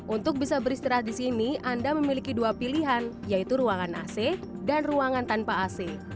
untuk bisa beristirahat di sini anda memiliki dua pilihan yaitu ruangan ac dan ruangan tanpa ac